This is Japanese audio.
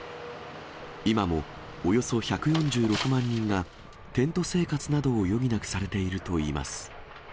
今もおよそ１４６万人がテント生活などを余儀なくされているといいます。